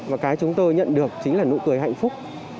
và cái chúng tôi nhận được chính là nụ cười hạnh phúc